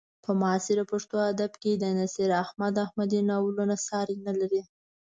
په معاصر پښتو ادب کې د نصیر احمد احمدي ناولونه ساری نه لري.